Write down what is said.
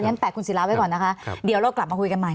ถ้างั้นแปะคุณศิลาไว้ก่อนนะคะเดี๋ยวโลกกลับมาคุยกันใหม่